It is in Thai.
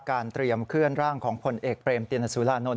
เตรียมเคลื่อนร่างของผลเอกเบรมตินสุรานนท